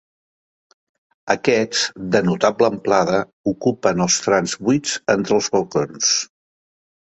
Aquests, de notable amplada, ocupen els trams buits entre els balcons.